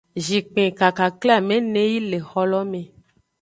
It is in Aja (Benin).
Zhinkpin kakakle amene yi le exo lo me.